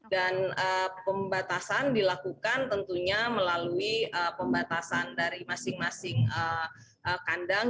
dan pembatasan dilakukan tentunya melalui pembatasan dari masing masing kandang